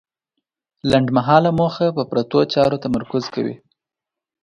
لنډمهاله موخه په پرتو چارو تمرکز کوي.